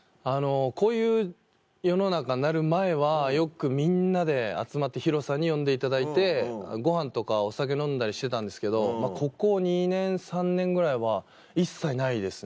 こういう世の中になる前はよくみんなで集まってＨＩＲＯさんに呼んでいただいてごはんとかお酒飲んだりしてたんですけどここ２年３年ぐらいは一切ないですね。